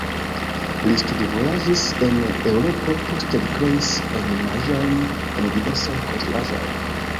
Li studvojaĝis en Eŭropo, poste li kreis ornamaĵojn en diversaj konstruaĵoj.